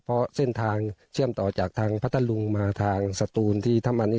เพราะเส้นทางเชื่อมต่อจากทางพัทธลุงมาทางสตูนที่ถ้ามันนี่